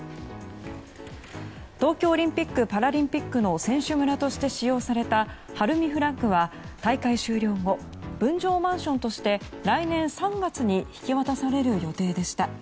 東京オリンピック・パラリンピックの選手村として使用された晴海フラッグは大会終了後分譲マンションとして来年３月に引き渡される予定でした。